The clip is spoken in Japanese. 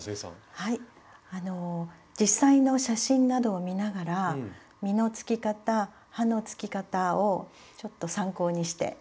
はいあの実際の写真などを見ながら実のつき方葉のつき方をちょっと参考にして。